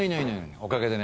おかげでね